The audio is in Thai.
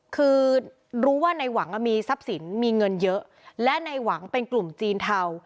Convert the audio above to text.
คือรู้ว่าในหวังมีทรัพย์สินมีเงินเยอะและในหวังเป็นกลุ่มจีนเทา